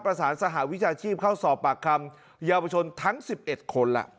ประสานสหวิชาชีพเข้าสอบปากคำยาวประชนทั้ง๑๑คนล่ะ